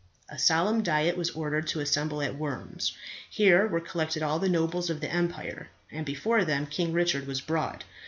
A solemn diet was ordered to assemble at Worms. Here were collected all the nobles of the empire, and before them King Richard was brought.